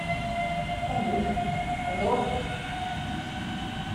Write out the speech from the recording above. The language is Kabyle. Amek? ad nruḥ?